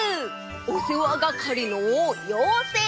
おせわがかりのようせい！